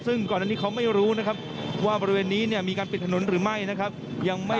ตอนนี้ก็ไม่รู้ว่าการจากปริเวณนั้นมีการปิดถนนหรือไม่นะครับ